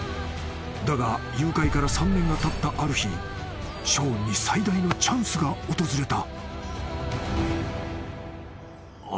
［だが誘拐から３年がたったある日ショーンに最大のチャンスが訪れた］